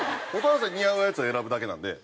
蛍原さんに似合うやつを選ぶだけなんで。